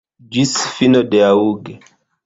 Ĝis fino de aŭg.